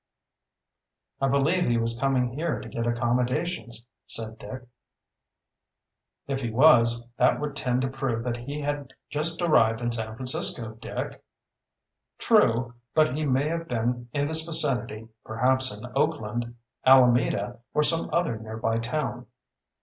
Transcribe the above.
"I believe he was coming here to get accommodations," said Dick. "If he was, that would tend to prove that he had just arrived in San Francisco, Dick." "True. But he may have been in this vicinity, perhaps in Oakland, Alameda, or some other nearby town."